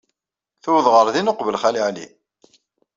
Tuweḍ ɣer din uqbel Xali Ɛli.